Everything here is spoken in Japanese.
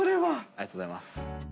ありがとうございます。